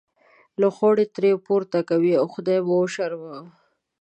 لوخړې ترې پورته کوئ او خدای مو وشرموه.